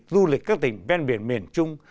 du lịch các tỉnh ven biển miền trung